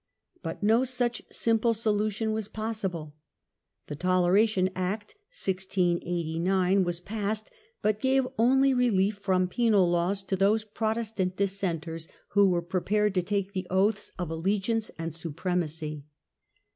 But no such simple solution was possible. The Toleration Act (1689) was passed, but gave only relief from penal laws to those Protestant dissenters who were prepared to take the oaths of allegiance and supremacy.